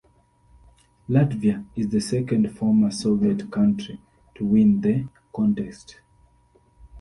Latvia is the second former Soviet country to win the contest.